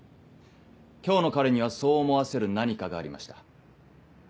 今日の彼にはそう思わせる何かがありました。